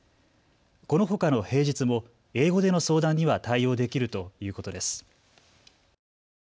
このほかの平日も英語での相談には対応できるということです。